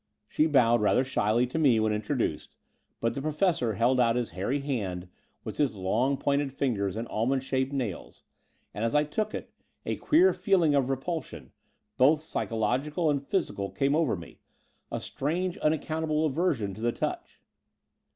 She bowed rather shyly to me, when introduced: but the Professor held out his hairy hand with its long pointed fingers and almond shaped nails, and, as I took it, a queer feeling of repulsion, both psychological and physical, came over me — a strange, unaccountable aversion to the touch.